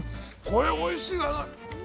◆これ、おいしい。